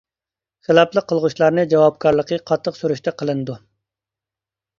خىلاپلىق قىلغۇچىلارنى جاۋابكارلىقى قاتتىق سۈرۈشتە قىلىنىدۇ.